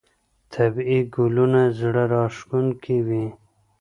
طبیعي ګلونه زړه راښکونکي وي.